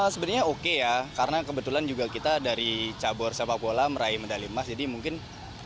sebenarnya oke ya karena kebetulan juga kita dari cabang raja papua meraih medali emas jadi mungkin ini bisa jadi tradisi